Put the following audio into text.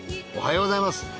おはようございます。